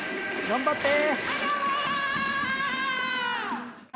頑張って！